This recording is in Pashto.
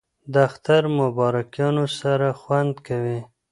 د اختر مبارکیانو سره خوند کوي